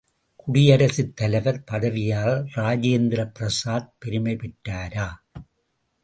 குடியரசுத் தலைவர் பதவியால் ராஜேந்திர பிரசாத் பெருமை பெற்றாரா?